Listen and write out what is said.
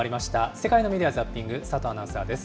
世界のメディア・ザッピング、佐藤アナウンサーです。